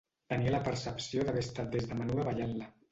Tenia la percepció d’haver estat des de menuda ballant-la.